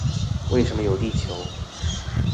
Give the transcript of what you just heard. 為什麼有地球